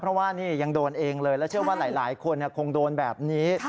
เพราะว่านี่ยังโดนเองเลยแล้วเชื่อว่าหลายคนคงโดนแบบนี้